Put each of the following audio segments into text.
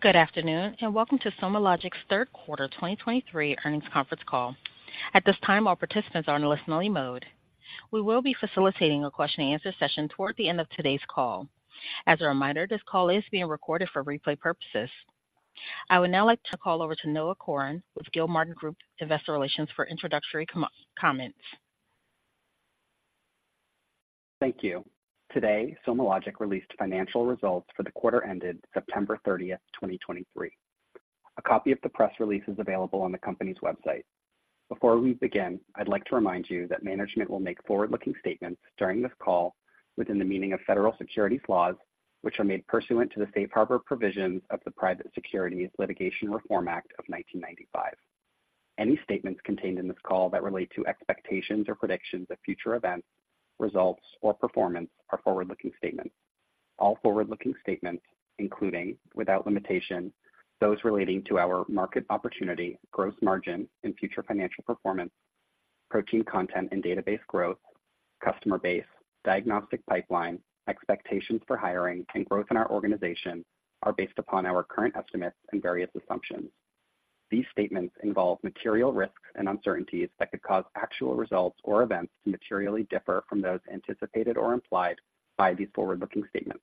Good afternoon, and welcome to SomaLogic's third quarter 2023 earnings conference call. At this time, all participants are in listen-only mode. We will be facilitating a question-and-answer session toward the end of today's call. As a reminder, this call is being recorded for replay purposes. I would now like to call over to Noah Corin with Gilmartin Group, Investor Relations, for introductory comments. Thank you. Today, SomaLogic released financial results for the quarter ended September 30th, 2023. A copy of the press release is available on the company's website. Before we begin, I'd like to remind you that management will make forward-looking statements during this call within the meaning of federal securities laws, which are made pursuant to the safe harbor provisions of the Private Securities Litigation Reform Act of 1995. Any statements contained in this call that relate to expectations or predictions of future events, results, or performance are forward-looking statements. All forward-looking statements, including, without limitation, those relating to our market opportunity, gross margin, and future financial performance, protein content, and database growth, customer base, diagnostic pipeline, expectations for hiring, and growth in our organization, are based upon our current estimates and various assumptions. These statements involve material risks and uncertainties that could cause actual results or events to materially differ from those anticipated or implied by these forward-looking statements.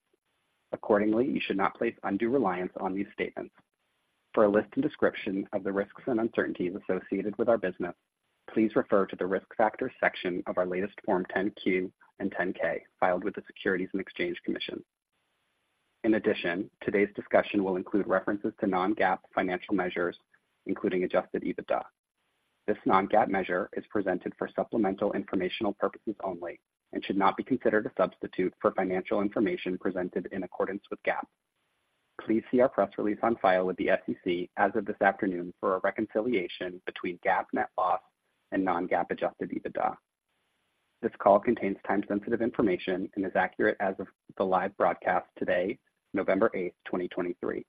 Accordingly, you should not place undue reliance on these statements. For a list and description of the risks and uncertainties associated with our business, please refer to the Risk Factors Section of our latest Form 10-Q and 10-K, filed with the Securities and Exchange Commission. In addition, today's discussion will include references to non-GAAP financial measures, including Adjusted EBITDA. This non-GAAP measure is presented for supplemental informational purposes only and should not be considered a substitute for financial information presented in accordance with GAAP. Please see our press release on file with the SEC as of this afternoon for a reconciliation between GAAP net loss and non-GAAP Adjusted EBITDA. This call contains time-sensitive information and is accurate as of the live broadcast today, November 8, 2023.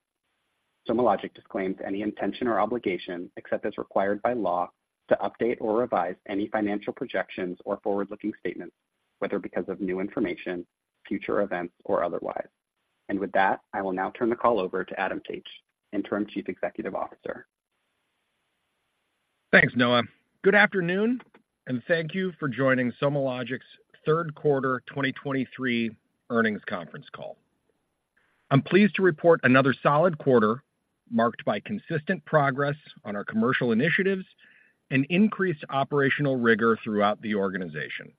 SomaLogic disclaims any intention or obligation, except as required by law, to update or revise any financial projections or forward-looking statements, whether because of new information, future events, or otherwise. With that, I will now turn the call over to Adam Taich, Interim Chief Executive Officer. Thanks, Noah. Good afternoon, and thank you for joining SomaLogic's third quarter 2023 earnings conference call. I'm pleased to report another solid quarter, marked by consistent progress on our commercial initiatives and increased operational rigor throughout the organization.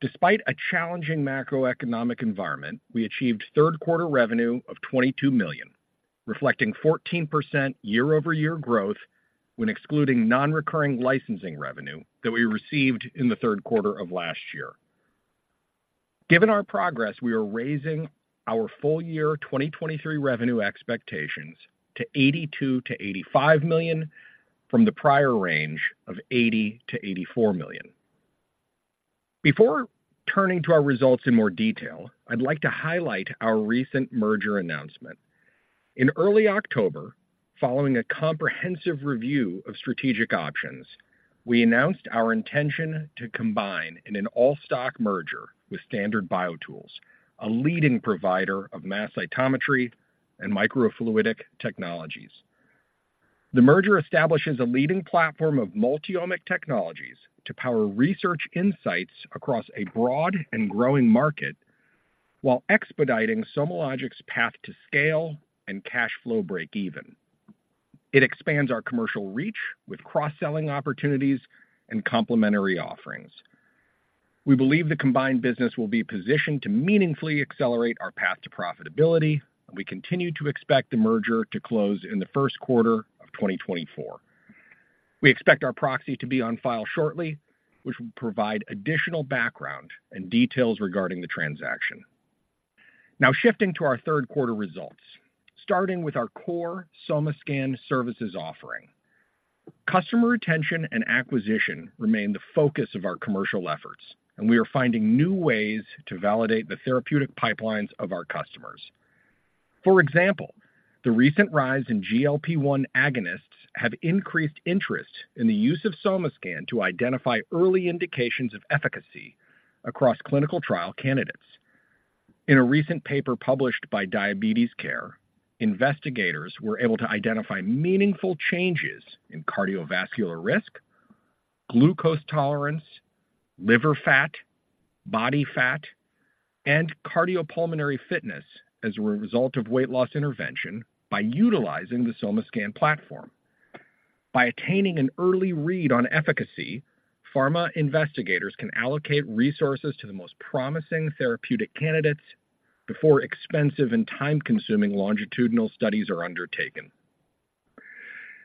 Despite a challenging macroeconomic environment, we achieved third quarter revenue of $22 million, reflecting 14% year-over-year growth when excluding non-recurring licensing revenue that we received in the third quarter of last year. Given our progress, we are raising our full year 2023 revenue expectations to $82 million to $85 million from the prior range of $80 million to $84 million. Before turning to our results in more detail, I'd like to highlight our recent merger announcement. In early October, following a comprehensive review of strategic options, we announced our intention to combine in an all-stock merger with Standard BioTools, a leading provider of Mass Cytometry and Microfluidics Technologies. The merger establishes a leading platform of multi-omic technologies to power research insights across a broad and growing market, while expediting SomaLogic's path to scale and cash flow break even. It expands our commercial reach with cross-selling opportunities and complementary offerings. We believe the combined business will be positioned to meaningfully accelerate our path to profitability, and we continue to expect the merger to close in the first quarter of 2024. We expect our proxy to be on file shortly, which will provide additional background and details regarding the transaction. Now, shifting to our third quarter results. Starting with our core SomaScan services offering. Customer retention and acquisition remain the focus of our commercial efforts, and we are finding new ways to validate the therapeutic pipelines of our customers. For example, the recent rise in GLP-1 agonists have increased interest in the use of SomaScan to identify early indications of efficacy across clinical trial candidates. In a recent paper published by Diabetes Care, investigators were able to identify meaningful changes in cardiovascular risk, glucose tolerance, liver fat, body fat, and cardiopulmonary fitness as a result of weight loss intervention by utilizing the SomaScan platform. By attaining an early read on efficacy, pharma investigators can allocate resources to the most promising therapeutic candidates before expensive and time-consuming longitudinal studies are undertaken.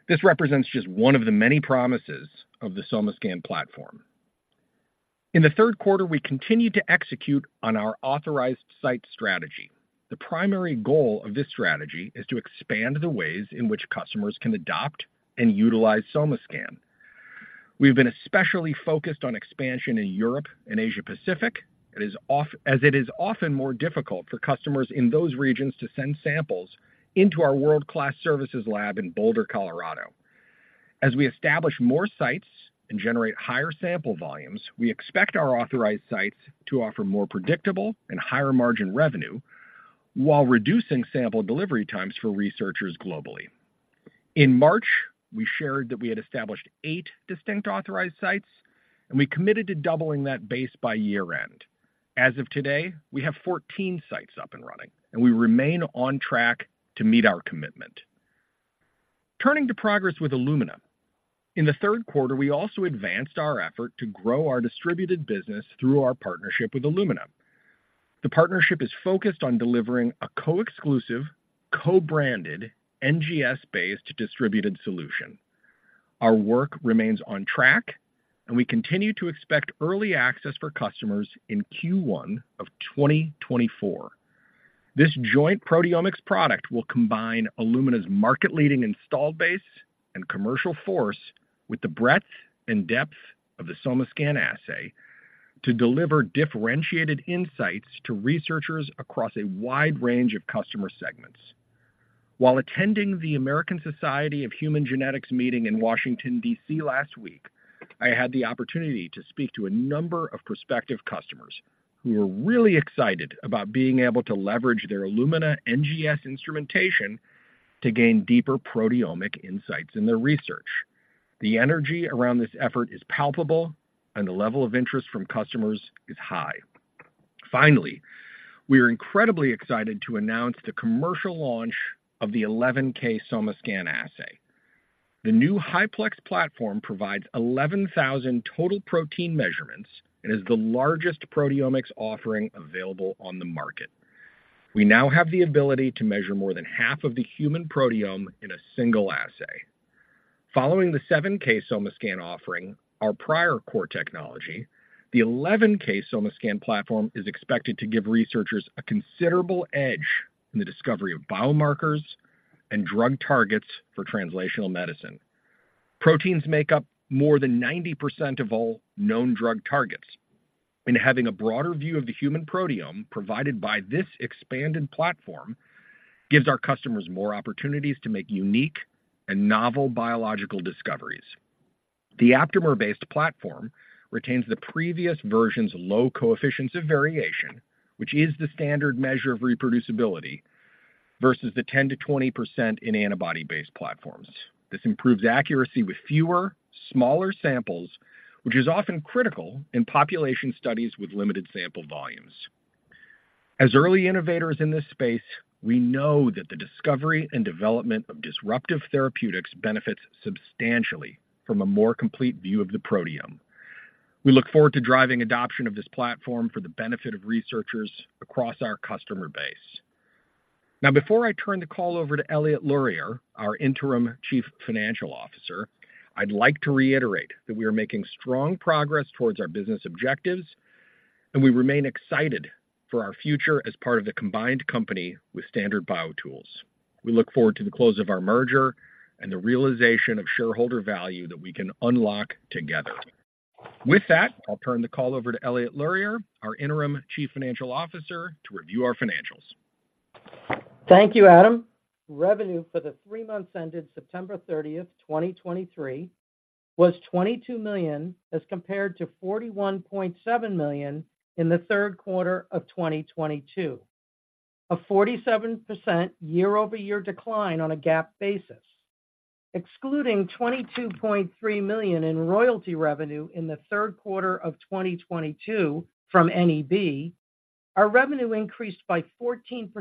This represents just one of the many promises of the SomaScan platform. In the third quarter, we continued to execute on our authorized site strategy. The primary goal of this strategy is to expand the ways in which customers can adopt and utilize SomaScan. We've been especially focused on expansion in Europe and Asia Pacific. As it is often more difficult for customers in those regions to send samples into our world-class services lab in Boulder, Colorado. As we establish more sites and generate higher sample volumes, we expect our authorized sites to offer more predictable and higher margin revenue, while reducing sample delivery times for researchers globally. In March, we shared that we had established eight distinct authorized sites, and we committed to doubling that base by year-end. As of today, we have 14 sites up and running, and we remain on track to meet our commitment. Turning to progress with Illumina. In the third quarter, we also advanced our effort to grow our distributed business through our partnership with Illumina. The partnership is focused on delivering a co-exclusive, co-branded, NGS-based distributed solution. Our work remains on track, and we continue to expect early access for customers in Q1 of 2024. This joint proteomics product will combine Illumina's market-leading installed base and commercial force with the breadth and depth of the SomaScan Assay to deliver differentiated insights to researchers across a wide range of customer segments. While attending the American Society of Human Genetics meeting in Washington, D.C., last week, I had the opportunity to speak to a number of prospective customers who were really excited about being able to leverage their Illumina NGS instrumentation to gain deeper proteomic insights in their research. The energy around this effort is palpable, and the level of interest from customers is high. Finally, we are incredibly excited to announce the commercial launch of the 11K SomaScan Assay. The new high‑plex platform provides 11,000 total protein measurements and is the largest proteomics offering available on the market. We now have the ability to measure more than half of the human proteome in a single assay. Following the 7K SomaScan offering, our prior core technology, the 11K SomaScan platform, is expected to give researchers a considerable edge in the discovery of biomarkers and drug targets for translational medicine. Proteins make up more than 90% of all known drug targets, and having a broader view of the human proteome provided by this expanded platform, gives our customers more opportunities to make unique and novel biological discoveries. The Aptamer-based platform retains the previous version's low coefficients of variation, which is the standard measure of reproducibility versus the 10% to 20% in antibody-based platforms. This improves accuracy with fewer, smaller samples, which is often critical in population studies with limited sample volumes. As early innovators in this space, we know that the discovery and development of disruptive therapeutics benefits substantially from a more complete view of the proteome. We look forward to driving adoption of this platform for the benefit of researchers across our customer base. Now, before I turn the call over to Eliot Lurier, our Interim Chief Financial Officer, I'd like to reiterate that we are making strong progress towards our business objectives, and we remain excited for our future as part of the combined company with Standard BioTools. We look forward to the close of our merger and the realization of shareholder value that we can unlock together. With that, I'll turn the call over to Eliot Lurier, our Interim Chief Financial Officer, to review our financials. Thank you, Adam. Revenue for the three months ended September 30th, 2023, was $22 million, as compared to $41.7 million in the third quarter of 2022, a 47% year-over-year decline on a GAAP basis. Excluding $22.3 million in royalty revenue in the third quarter of 2022 from NEB, our revenue increased by 14%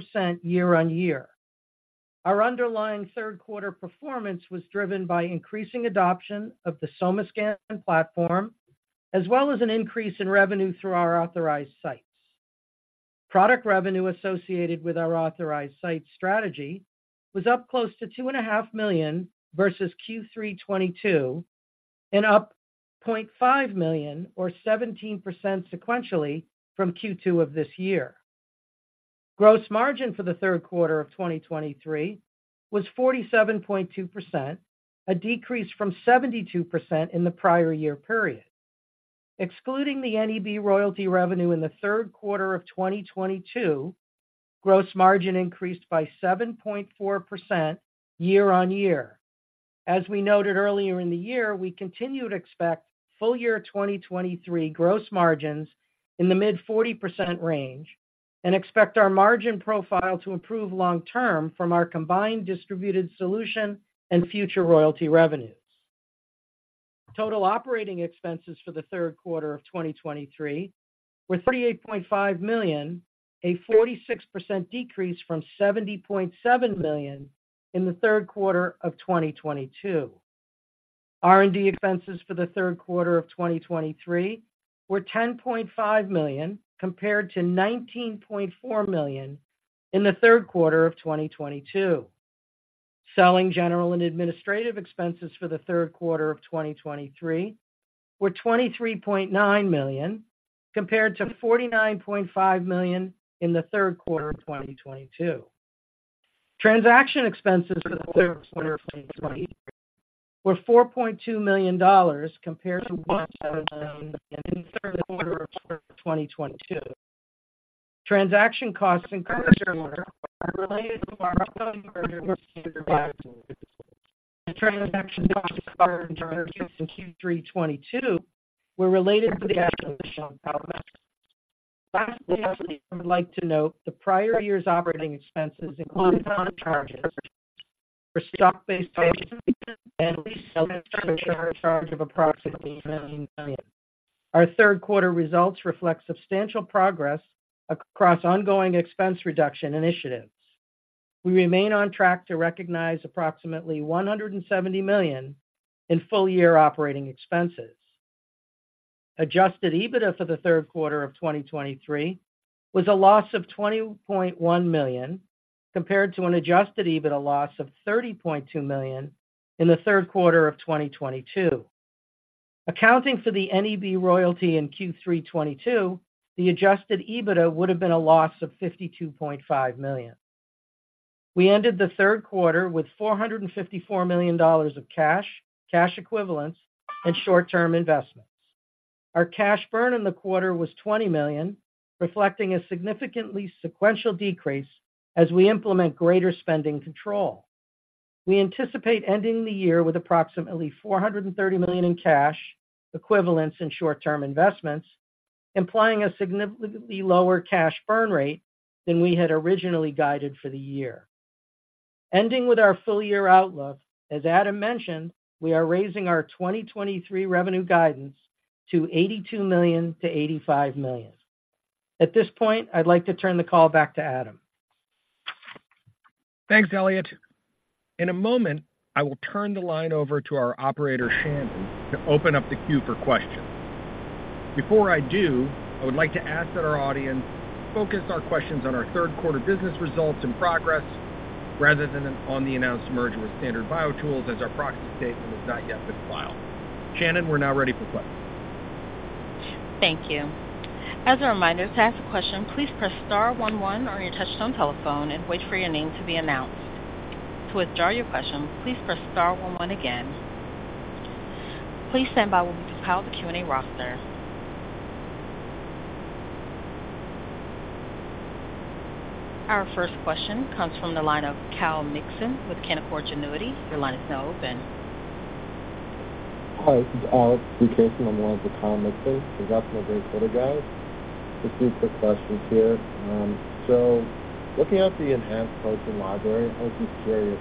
year-over-year. Our underlying third quarter performance was driven by increasing adoption of the SomaScan platform, as well as an increase in revenue through our authorized sites. Product revenue associated with our authorized site strategy was up close to $2.5 million versus Q3 2022, and up $0.5 million, or 17% sequentially from Q2 of this year. Gross margin for the third quarter of 2023 was 47.2%, a decrease from 72% in the prior year period. Excluding the NEB royalty revenue in the third quarter of 2022, gross margin increased by 7.4% year-on-year. As we noted earlier in the year, we continue to expect full year 2023 gross margins in the mid-40% range and expect our margin profile to improve long-term from our combined distributed solution and future royalty revenues. Total operating expenses for the third quarter of 2023 were $38.5 million, a 46% decrease from $70.7 million in the third quarter of 2022. R&D expenses for the third quarter of 2023 were $10.5 million, compared to $19.4 million in the third quarter of 2022. Selling, general, and administrative expenses for the third quarter of 2023 were $23.9 million, compared to $49.5 million in the third quarter of 2022. Transaction expenses for the third quarter of 2023 were $4.2 million compared to $1 million in the third quarter of 2022. Transaction costs in third quarter are related to our upcoming merger with Standard BioTools. The transaction costs in Q3 2022 were related to the acquisition of Palamedrix. Lastly, I would like to note the prior year's operating expenses included non-cash charges for stock-based compensation and lease administration charge of approximately $9 million. Our third quarter results reflect substantial progress across ongoing expense reduction initiatives. We remain on track to recognize approximately $170 million in full year operating expenses. Adjusted EBITDA for the third quarter of 2023 was a loss of $20.1 million, compared to an adjusted EBITDA loss of $30.2 million in the third quarter of 2022. Accounting for the NEB royalty in Q3 2022, the adjusted EBITDA would have been a loss of $52.5 million. We ended the third quarter with $454 million of cash, cash equivalents, and short-term investments. Our cash burn in the quarter was $20 million, reflecting a significantly sequential decrease as we implement greater spending control. We anticipate ending the year with approximately $430 million in cash equivalents and short-term investments, implying a significantly lower cash burn rate than we had originally guided for the year. Ending with our full year outlook, as Adam mentioned, we are raising our 2023 revenue guidance to $82 million to $85 million. At this point, I'd like to turn the call back to Adam. Thanks, Eliot. In a moment, I will turn the line over to our operator, Shannon, to open up the queue for questions. Before I do, I would like to ask that our audience focus our questions on our third quarter business results and progress, rather than on the announced merger with Standard BioTools, as our proxy statement has not yet been filed. Shannon, we're now ready for questions. Thank you. As a reminder, to ask a question, please press star one one on your touch-tone telephone and wait for your name to be announced. To withdraw your question, please press star one one again. Please stand by while we compile the Q&A roster. Our first question comes from the line of Kyle Mikson with Canaccord Genuity. Your line is now open. Hi, this is Kyle Mikson. Congratulations on a great quarter, guys. Just a few quick questions here. So looking at the enhanced protein library, I was just curious,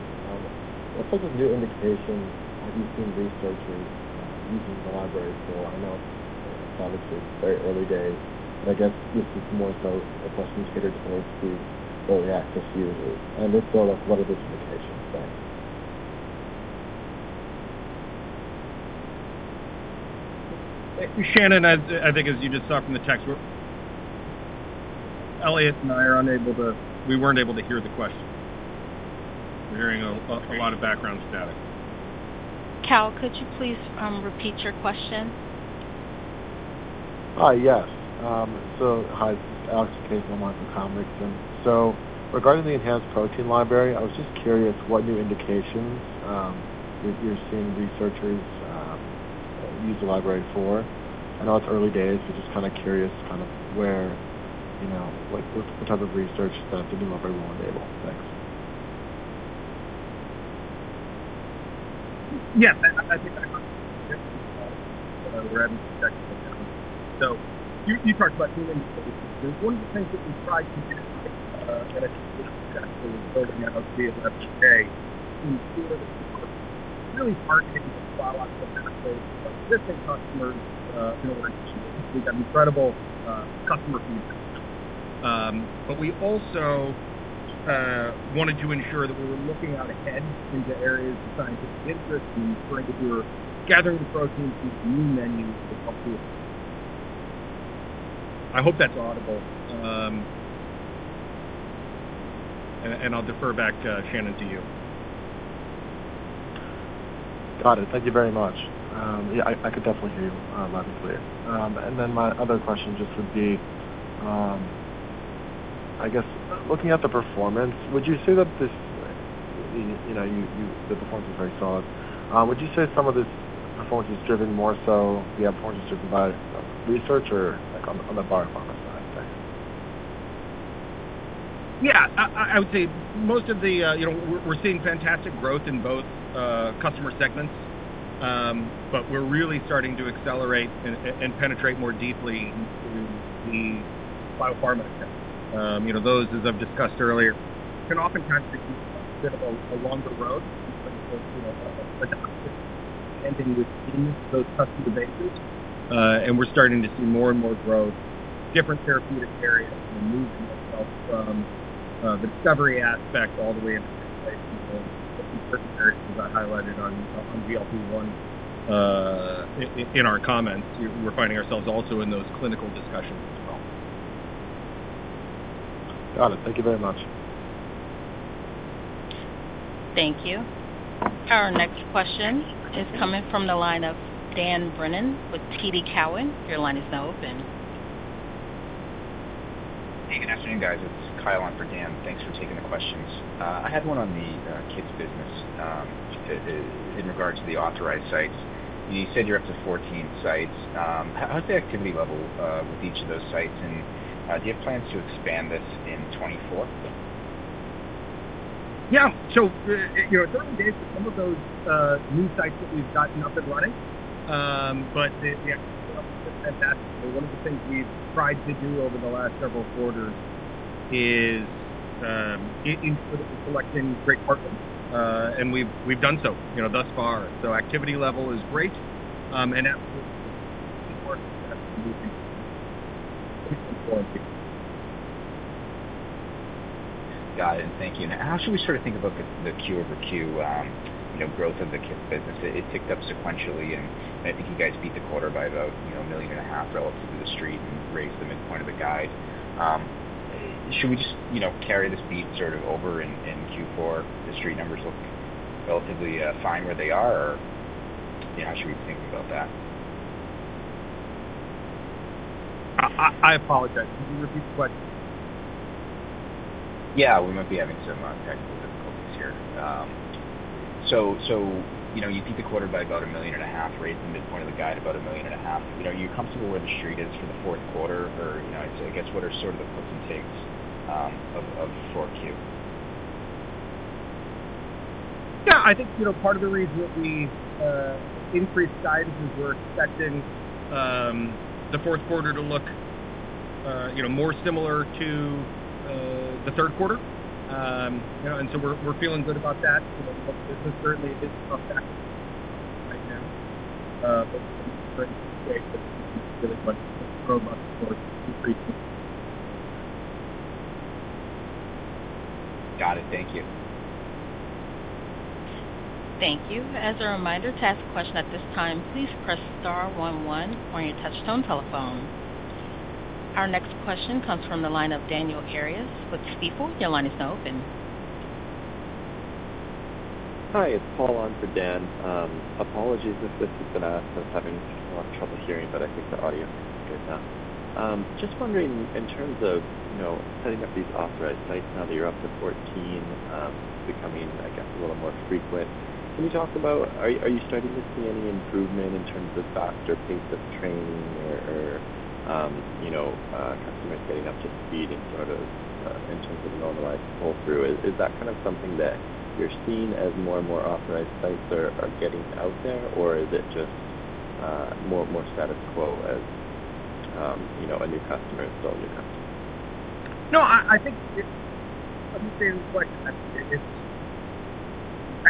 what type of new indications have you seen researchers using the library for? I know obviously it's very early days, but I guess this is more so a question catered towards the early access users and less so like what are the indications? Thanks. Shannon, I think as you just saw from the text, Eliot and I are unable to, we weren't able to hear the question. We're hearing a lot of background static. Kyle, could you please repeat your question? Yes. So hi, Alex Tukaso. I'm one from Kyle Mikson. So regarding the enhanced protein library, I was just curious what new indications you're seeing researchers use the library for. I know it's early days, but just kind of curious kind of where, you know, what type of research stuff the new library will enable. Thanks. Yes, I think I. So you start by asking them, one of the things that we tried to do, and I think successfully with the MLV and MGA, to really marketing the platform to existing customers, in order to we've got incredible customer feedback. But we also wanted to ensure that we were looking out ahead into areas of scientific interest and ensuring that we were gathering the proteins these new menus to help you. I hope that's audible. And I'll defer back to Shannon, to you. Got it. Thank you very much. Yeah, I could definitely hear you loud and clear. And then my other question just would be, I guess, looking at the performance, would you say that this, you know, the performance is very solid. Would you say some of this performance is driven more so by research or, like, on the biopharma side? Thanks. Yeah, I would say most of the. You know, we're seeing fantastic growth in both customer segments, but we're really starting to accelerate and penetrate more deeply into the biopharma. You know, those, as I've discussed earlier, can oftentimes take a bit of a longer road, you know, adoption and within those customer bases. And we're starting to see more and more growth, different therapeutic areas, and moving ourselves from the discovery aspect all the way into place. People, certain areas, as I highlighted on GLP-1, in our comments, we're finding ourselves also in those clinical discussions as well. Got it. Thank you very much. Thank you. Our next question is coming from the line of Dan Brennan with TD Cowen. Your line is now open. Hey, good afternoon, guys. It's Kyle on for Dan. Thanks for taking the questions. I had one on the kits business, in regards to the Authorized Sites. You said you're up to 14 sites. How's the activity level with each of those sites? And do you have plans to expand this in 2024? Yeah, so, you know, it's early days for some of those new sites that we've gotten up and running. But the activity level is fantastic. So one of the things we've tried to do over the last several quarters is getting good at selecting great partners. And we've done so, you know, thus far. So activity level is great, and Got it. Thank you. Now, how should we sort of think about the Q-over-Q, you know, growth of the business? It ticked up sequentially, and I think you guys beat the quarter by about $1.5 million relative to the street and raised the midpoint of the guide. Should we just, you know, carry this beat sort of over in Q4? The street numbers look relatively fine where they are, or, you know, how should we think about that? I apologize. Can you repeat the question? Yeah, we might be having some technical difficulties here. So, you know, you beat the quarter by about $1.5 million, raised the midpoint of the guide about $1.5 million. You know, are you comfortable where the street is for the fourth quarter or, you know, I guess, what are sort of the puts and takes of 4Q? Yeah, I think, you know, part of the reason that we increased guidance is we're expecting the fourth quarter to look, you know, more similar to the third quarter. You know, and so we're feeling good about that. You know, the business certainly is on track right now, but. Got it. Thank you. Thank you. As a reminder, to ask a question at this time, please press star one one on your touchtone telephone. Our next question comes from the line of Daniel Arias with Stifel. Your line is now open. Hi, it's Paul on for Dan. Apologies if this has been asked. I was having a lot of trouble hearing, but I think the audio is good now. Just wondering, in terms of, you know, setting up these Authorized Sites now that you're up to 14, becoming, I guess, a little more frequent, can you talk about. Are you starting to see any improvement in terms of adoption pace of training or, you know, customers getting up to speed and sort of, in terms of normalized pull-through? Is that kind of something that you're seeing as more and more Authorized Sites are getting out there, or is it just more and more status quo as, you know, a new customer is still a new customer? No, I think it's, let me say it this way, it's,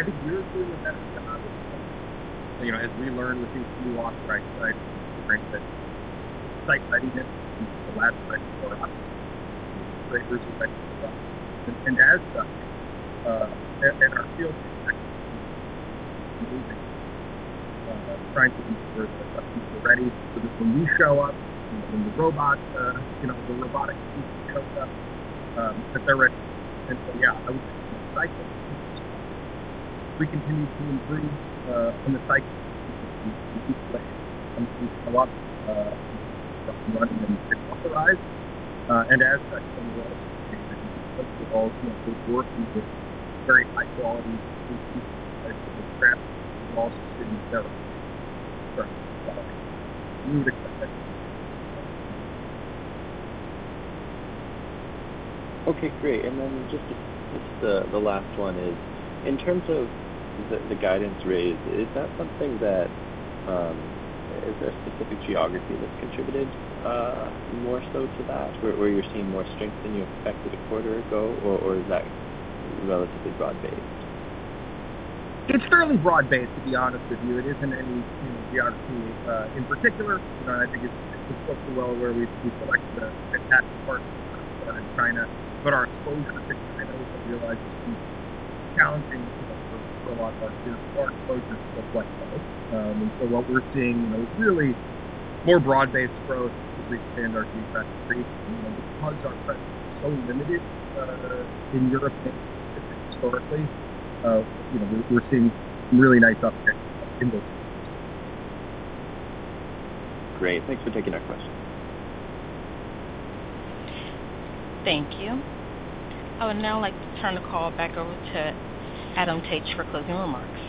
I think we're seeing what that is. You know, as we learn with each new authorized site, right, that site readiness, the last site, and as such, and our field team is amazing, trying to get ready so that when we show up and when the robot, you know, the robotic show up, that they're ready. And so, yeah, I would say we continue to improve on the site. And as such, first of all, you know, we're working with very high quality. Okay, great. And then just the last one is, in terms of the guidance raise, is that something that is there a specific geography that's contributed more so to that, where you're seeing more strength than you expected a quarter ago, or is that relatively broad-based? It's fairly broad-based, to be honest with you. It isn't any, you know, geography in particular. You know, I think it's reflected well where we selected a fantastic partner in China, but our exposure to China, we also realize, is challenging for a lot of our peers, our exposure to the flexible. And so what we're seeing, you know, really more broad-based growth as we expand our geographic reach. You know, our presence is so limited in Europe historically. You know, we're seeing really nice uptake in those. Great. Thanks for taking our questions. Thank you. I would now like to turn the call back over to Adam Taich for closing remarks.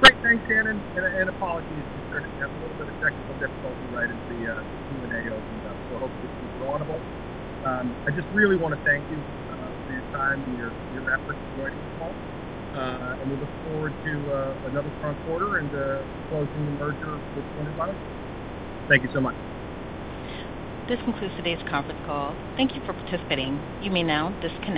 Great. Thanks, Shannon, and apologies if you heard, I had a little bit of technical difficulty right as the Q&A opened up, so hopefully this is audible. I just really want to thank you for your time and your efforts in joining this call. We look forward to another strong quarter and closing the merger with Standard BioTools. Thank you so much. This concludes today's conference call. Thank you for participating. You may now disconnect.